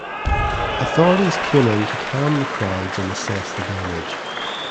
Authorities came in to calm the crowds and assess the damage.